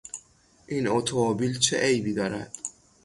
این اتومبیل چه عیبی دارد؟